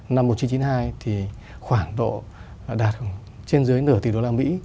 năm một nghìn chín trăm chín mươi hai thì khoảng độ đạt trên dưới nửa tỷ đô la mỹ